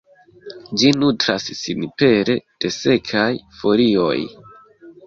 Ĝi nutras sin pere de sekaj folioj.